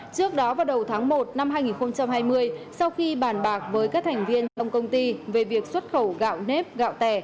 trước đó vào đầu tháng một năm hai nghìn hai mươi sau khi bàn bạc với các thành viên trong công ty về việc xuất khẩu gạo nếp gạo tẻ